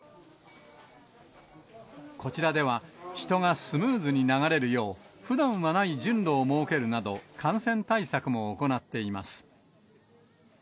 こちらでは、人がスムーズに流れるよう、ふだんはない順路を設けるなど、感染対策も行っています。